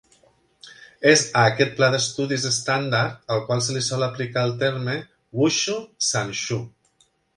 És a aquest pla d'estudis estàndard al qual se li sol aplicar el terme "Wushu Sanshou".